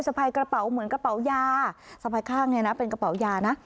พายกระเป๋าเหมือนกระเป๋ายาสะพายข้างเนี่ยนะเป็นกระเป๋ายานะ